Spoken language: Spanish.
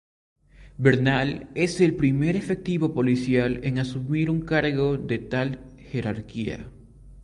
Bernal es el primer efectivo policial en asumir un cargo de tal jerarquía.